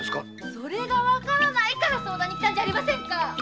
それがわからないから相談に来たんじゃありませんか。